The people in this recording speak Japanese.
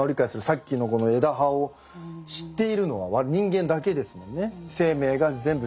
さっきのこの枝葉を知っているのは人間だけですもんね。